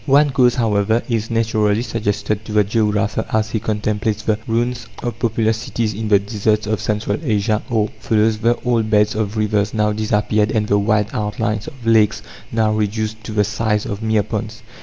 One cause, however, is naturally suggested to the geographer as he contemplates the ruins of populous cities in the deserts of Central Asia, or follows the old beds of rivers now disappeared and the wide outlines of lakes now reduced to the size of mere ponds.